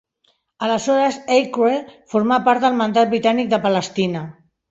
Aleshores, Acre formà part del Mandat Britànic de Palestina.